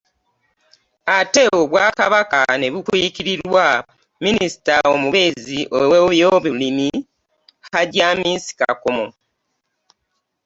Ate Obwakabaka ne bukiikirirwa Minisita omubeezi ow'ebyobulimi, Hajji Amis Kakomo